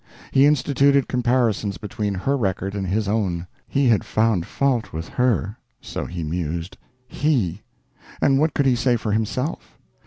He instituted comparisons between her record and his own. He had found fault with her so he mused he! And what could he say for himself?